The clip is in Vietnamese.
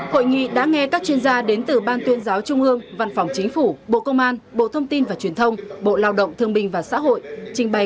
hội nghị đã nghe các chuyên gia đến từ ban tuyên giáo trung ương văn phòng chính phủ bộ công an bộ thông tin và truyền thông bộ lao động thương minh và xã hội